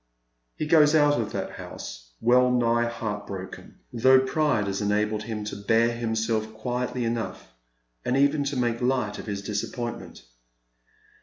He goes out of that house well nigh heart broken, though pride has enabled him to bear himself quietly enough, and even to make light of his disappointment.